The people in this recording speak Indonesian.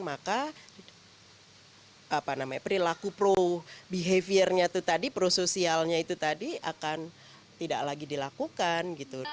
maka perilaku pro behaviornya itu tadi prososialnya itu tadi akan tidak lagi dilakukan